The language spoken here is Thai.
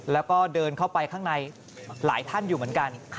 แล้วก็เดินเข้าไปข้างในหลายท่านอยู่เหมือนกัน